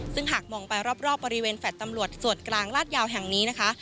ซึ่งหากมองไปรอบบริเวณแฟลต์ตำรวจส่วนกลางลาดยาวแห่งนี้นะคะ